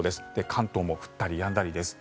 関東も降ったりやんだりです。